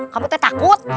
kamu tepun takut